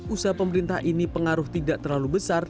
usaha pemerintah ini pengaruh tidak terlalu besar